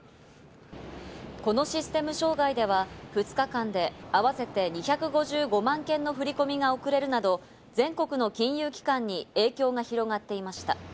このシステム障害では２日間で合わせて２５５万件の振り込みが遅れるなど、全国の金融機関に影響が広がっていました。